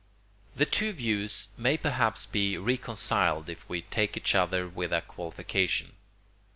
The two views may perhaps be reconciled if we take each with a qualification.